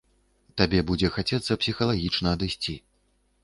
Табе будзе хацецца псіхалагічна адысці.